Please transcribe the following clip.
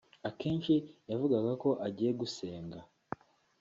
Akenshi yavugaga ko agiye gusenga